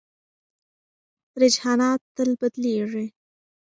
رجحانات تل بدلېږي.